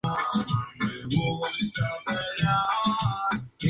La parte literal la constituyen las letras de la expresión.